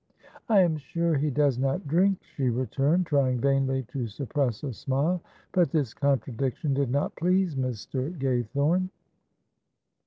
"I am sure he does not drink," she returned, trying vainly to suppress a smile; but this contradiction did not please Mr. Gaythorne.